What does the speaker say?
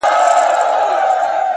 هره ورځ د نوې ودې فرصت لري.!